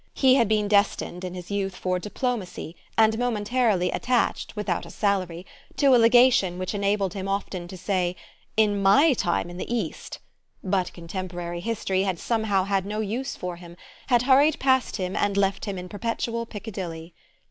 He had been destined in his youth for diplomacy and momentarily attached, without a salary, to a legation which enabled him often to say "In MY time in the East": but contemporary history had somehow had no use for him, had hurried past him and left him in perpetual Piccadilly.